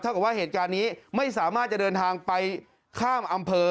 กับว่าเหตุการณ์นี้ไม่สามารถจะเดินทางไปข้ามอำเภอ